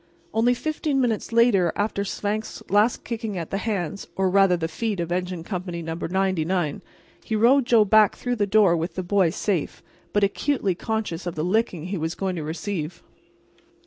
Only fifteen minutes after Svangvsk's last kicking at the hands—or rather the feet—of Engine Company No. 99 he rode Joe back through the door with the boy safe, but acutely conscious of the licking he was going to receive.